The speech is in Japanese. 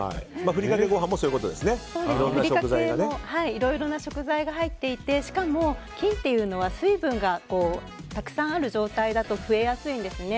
ふりかけもいろいろな食材が入っていてしかも、菌というのは水分がたくさんある状態だと増えやすいんですね。